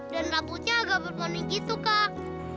dan laputnya agak berwarna gitu kak